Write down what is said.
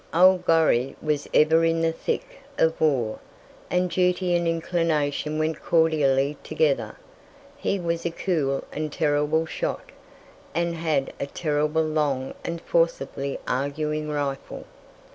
Old Gorrie was ever in the thick of war, and duty and inclination went cordially together. He was a cool and terrible shot, and had a terribly long and forcibly arguing rifle.